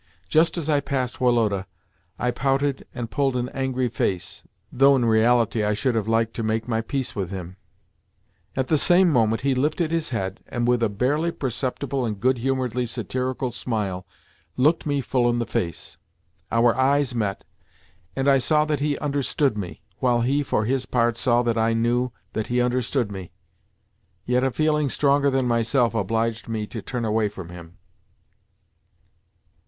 Just as I passed Woloda, I pouted and pulled an angry face, though in reality I should have liked to have made my peace with him. At the same moment he lifted his head, and with a barely perceptible and good humouredly satirical smile looked me full in the face. Our eyes met, and I saw that he understood me, while he, for his part, saw that I knew that he understood me; yet a feeling stronger than myself obliged me to turn away from him.